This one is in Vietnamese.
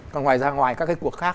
còn ngoài ra ngoài các cái cuộc khác